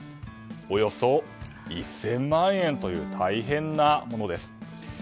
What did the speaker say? およそ１０００万円という大変なものです。